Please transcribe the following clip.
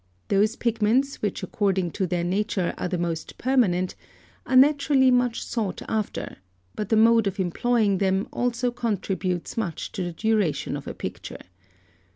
912. Those pigments which according to their nature are the most permanent, are naturally much sought after, but the mode of employing them also contributes much to the duration of a picture.